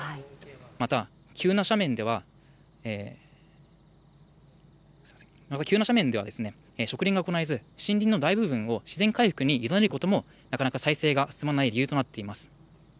また急な斜面では、植林が行えず、森林の大部分を自然回復に委ねることも、なかなか再生が進まない理由になっています。